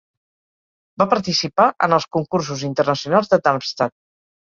Va participar en els concursos internacionals de Darmstadt.